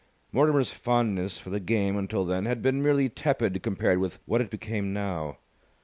Mortimer's fondness for the game until then had been merely tepid compared with what it became now.